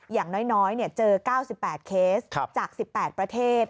อย่างน้อยเจอ๙๘เคสจาก๑๘ประเทศ